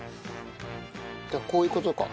じゃあこういう事か。